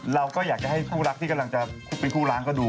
เราก็อยากให้ตัวคู่รักที่กำลังเป็นคู่รักก็ดูอย่างตลอด